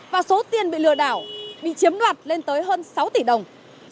và số tiền bị lừa đảo bị chiếm đoạt lên tới hơn sáu tỷ đồng